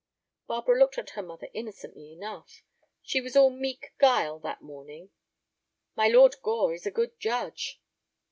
Barbara looked at her mother innocently enough. She was all meek guile that morning. "My Lord Gore is a good judge."